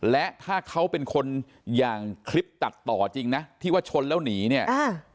และถ้าเขาเป็นคนอย่างคลิปตัดต่อจริงนะที่ว่าชนแล้วหนีเนี่ยอ่า